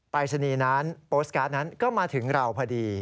รายศนีย์นั้นโปสตการ์ดนั้นก็มาถึงเราพอดี